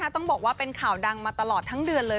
ต้องบอกว่าเป็นข่าวดังมาตลอดทั้งเดือนเลย